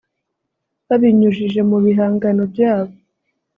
Babinyujije mu bihangano byabo